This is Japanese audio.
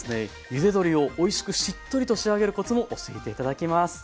ゆで鶏をおいしくしっとりと仕上げるコツも教えて頂きます。